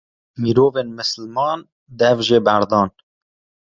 mirovên misliman dev jê berdan.